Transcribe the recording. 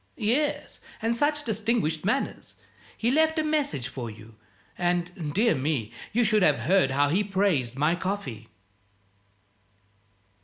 "Yes, and such distinguished manners! He left a message for you and, dear me, you should have heard how he praised my coffee!"